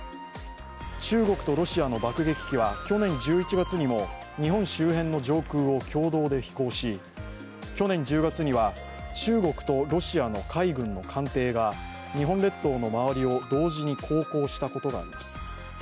中国とロシアの爆撃機は去年１１月にも日本周辺の上空を共同で飛行し、去年１０月には中国とロシアの海軍の艦艇が日本列島の周りを同時に航行したことがあります。